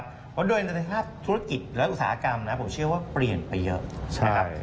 เพราะโดยนัทธาตุธุรกิจและอุตสาหกรรมนะผมเชื่อว่าเปลี่ยนไปเยอะนะครับ